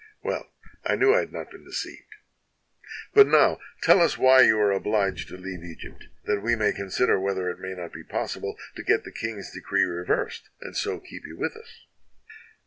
Well, I knew I had not been deceived. But now tell us why you are obliged to leave Egypt, that we may consider whether it may not be possible to get the king's decree reversed, and so keep you with us."